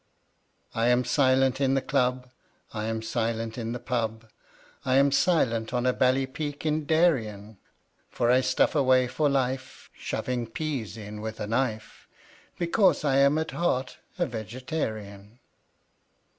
I am silent in the Club, I am silent in the pub., I am silent on a bally peak in Darien; For I stuff away for life Shoving peas in with a knife, Because I am at heart a Vegetarian.